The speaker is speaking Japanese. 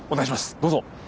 どうぞ。